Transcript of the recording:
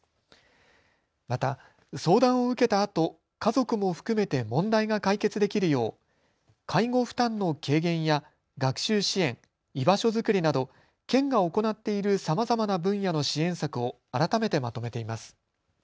また相談を受けたあと家族も含めて問題が解決できるよう介護負担の軽減や学習支援、居場所作りなど県が行っているさまざまな分野の支援策を改めてまとめています。